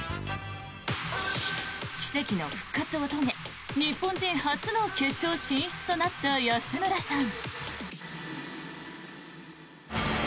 奇跡の復活を遂げ日本人初の決勝進出となった安村さん。